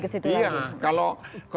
ke situ lagi iya kalau satu